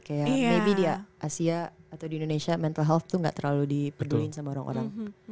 kayak maybe di asia atau di indonesia mental health tuh gak terlalu dipeduliin sama orang orang